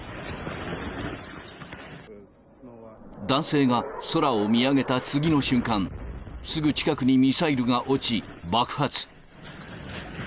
男性が空を見上げた次の瞬間、すぐ近くにミサイルが落ち、爆発。